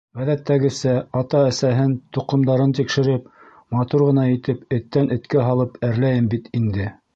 Ғәҙәттәгесә әсә-атаһын, тоҡомдарын тикшереп, матур ғына итеп, эттән эткә һалып әрләйем бит инде.